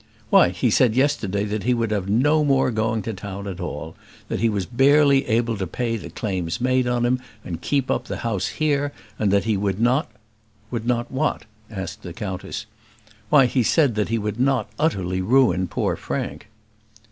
"Why, he said yesterday that he would have no more going to town at all; that he was barely able to pay the claims made on him, and keep up the house here, and that he would not " "Would not what?" asked the countess. "Why, he said that he would not utterly ruin poor Frank."